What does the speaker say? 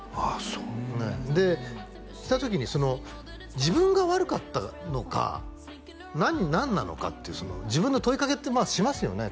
そうでした時に自分が悪かったのか何なのかっていう自分の問いかけってしますよね